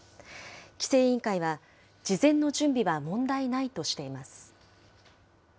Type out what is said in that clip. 規制委員会は、事前の準備は問題ないとしています。